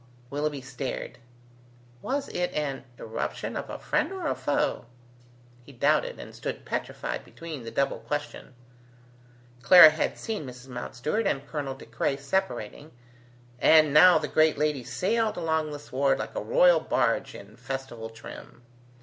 Willoughby stared. Was it an irruption of a friend or a foe? He doubted, and stood petrified between the double question. Clara had seen Mrs. Mountstuart and Colonel De Craye separating: and now the great lady sailed along the sward like a royal barge in festival trim.